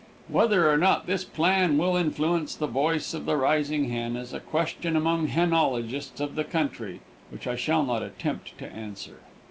Whether or not this plan will influence the voice of the rising hen is a question among henologists of the country which I shall not attempt to answer.